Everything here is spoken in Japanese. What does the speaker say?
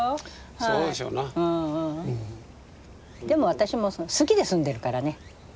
でも私も好きで住んでるからね。